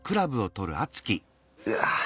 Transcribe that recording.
うわ。